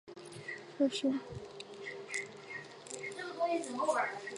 这和印度政府对缅甸的抗议和协助印度侨民转移资产的行动形成了鲜明对比。